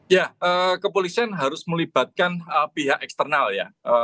ya kepolisian harus melibatkan pihak eksternal ya